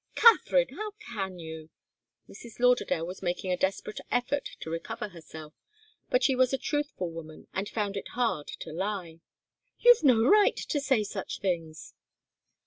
"Katharine, how can you!" Mrs. Lauderdale was making a desperate effort to recover herself, but she was a truthful woman, and found it hard to lie. "You've no right to say such things!"